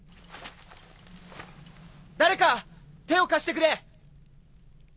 誰か手を貸してくれ！